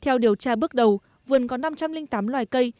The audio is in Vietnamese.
theo điều tra bước đầu vườn có năm trăm linh tám loài cây